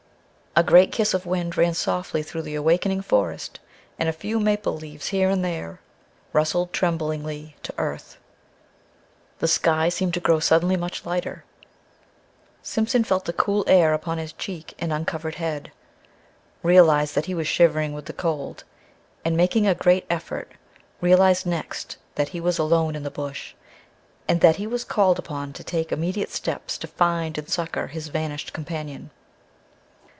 A great kiss of wind ran softly through the awakening forest, and a few maple leaves here and there rustled tremblingly to earth. The sky seemed to grow suddenly much lighter. Simpson felt the cool air upon his cheek and uncovered head; realized that he was shivering with the cold; and, making a great effort, realized next that he was alone in the Bush and that he was called upon to take immediate steps to find and succor his vanished companion.